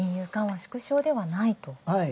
縮小ではないと。